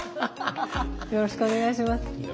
よろしくお願いします。